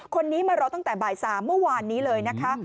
คนนี้มารอตั้งแต่บ่าย๓เมื่อวานนี้เลยนะคะ